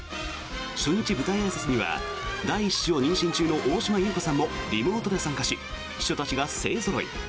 初日舞台あいさつは第１子を妊娠中の大島優子さんもリモートで参加し秘書たちが勢ぞろい。